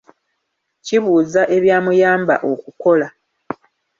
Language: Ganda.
Kibuuza ebyamuyamba okukola.